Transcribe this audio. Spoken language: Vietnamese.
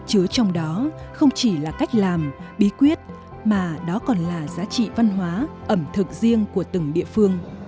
chứa trong đó không chỉ là cách làm bí quyết mà đó còn là giá trị văn hóa ẩm thực riêng của từng địa phương